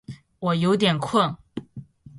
我有点困